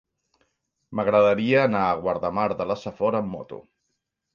M'agradaria anar a Guardamar de la Safor amb moto.